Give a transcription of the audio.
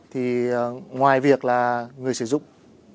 thì ngoài việc là người sử dụng